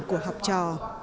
của học trò